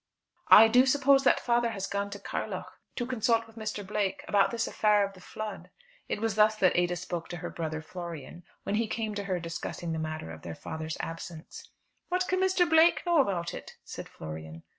"I do suppose that father has gone to Carnlough, to consult with Mr. Blake about this affair of the flood." It was thus that Ada spoke to her brother Florian, when he came to her discussing the matter of their father's absence. "What can Mr. Blake know about it?" said Florian.